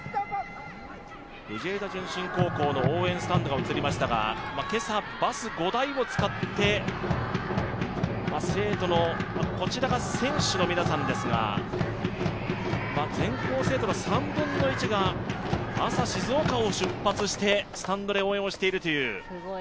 藤枝順心高校の応援スタンドが映りましたが今朝バス５台を使ってこちらが選手の皆さんですが全校生徒の３分の１が朝、静岡を出発してスタンドで応援をしているという。